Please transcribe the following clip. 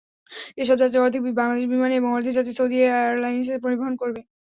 এসব যাত্রীর অর্ধেক বাংলাদেশ বিমানে এবং অর্ধেক যাত্রী সৌদি এয়ারলাইনস পরিবহন করবে।